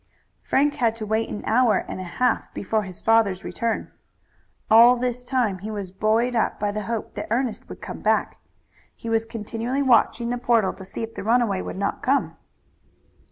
Frank had to wait an hour and a half before his father's return. All this time he was buoyed up by the hope that Ernest would come back. He was continually watching the portal to see if the runaway would not come.